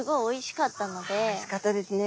おいしかったですね。